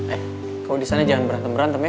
eh kau di sana jangan berantem berantem ya